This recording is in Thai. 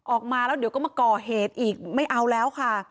ออกมาแล้วเดี๋ยวก็มาก่อเหตุอีกไม่เอาแล้วค่ะ